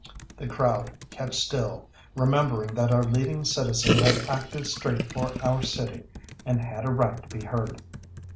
The crowd kept still, remembering that our leading citizen had acted straight for our city, and had a right to be heard.